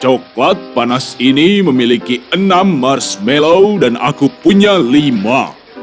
coklat panas ini memiliki enam marshmallow dan aku punya lima